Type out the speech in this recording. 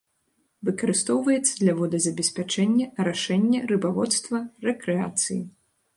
Выкарыстоўваецца для водазабеспячэння, арашэння, рыбаводства, рэкрэацыі.